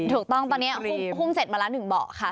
ถูกต้องตอนนี้หุ้มเสร็จมาแล้ว๑เบาะค่ะ